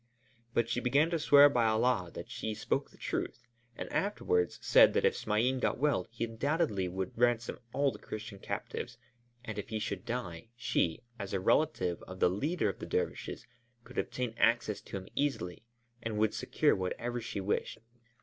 But she began to swear by Allah that she spoke the truth, and afterwards said that if Smain got well, he undoubtedly would ransom all the Christian captives; and if he should die, she, as a relative of the leader of the dervishes, could obtain access to him easily and would secure whatever she wished.